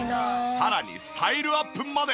さらにスタイルアップまで。